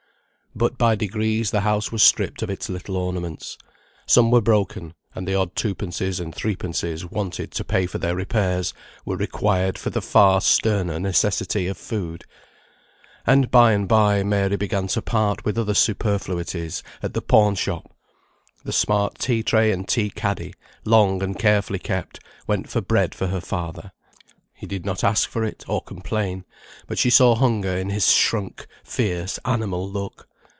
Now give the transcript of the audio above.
But by degrees the house was stripped of its little ornaments. Some were broken; and the odd twopences and threepences wanted to pay for their repairs, were required for the far sterner necessity of food. And by and bye Mary began to part with other superfluities at the pawn shop. The smart tea tray and tea caddy, long and carefully kept, went for bread for her father. He did not ask for it, or complain, but she saw hunger in his shrunk, fierce, animal look.